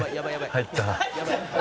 入ったな」